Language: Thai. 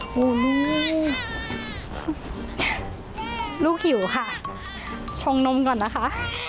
โอ้โฮลูกลูกหิวค่ะชงนมก่อนนะคะ